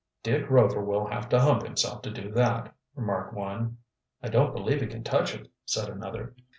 "Dick Rover will have to hump himself to do that," remarked one. "I don't believe he can touch it," said another.